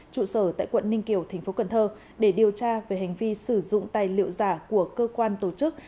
trụ sở tại quận ninh kiều thành phố cần thơ để điều tra về hành vi sử dụng tài liệu giả của cơ quan tổ chức